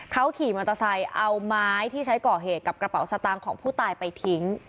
เขาขี่มอเตอร์ไซค์เอาไม้ที่ใช้ก่อเหตุกับกระเป๋าสตางค์ของผู้ตายไปทิ้ง